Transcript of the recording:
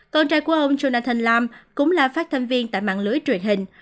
con trai của ông jonathan lam cũng là phát thanh viên tại mạng lưới truyền hình